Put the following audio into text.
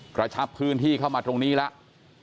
กระชับพื้นที่เข้ามาตรงนี้แล้ว